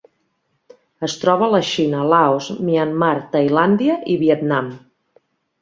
Es troba a la Xina, Laos, Myanmar, Tailàndia, i Vietnam.